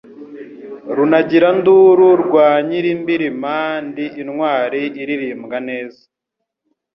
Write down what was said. Runagiranduru rwa Nyilimbirima, ndi intwali ilirimbwa neza.